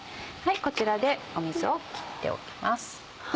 こちらで水を切っておきます。